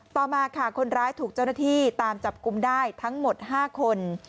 ต่อมาค่ะคนร้ายถูกเจ้าหน้าที่ตามจับกลุ่มได้ทั้งหมด๕คน